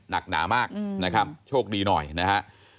หนักหนามากนะครับโชคดีหน่อยนะฮะ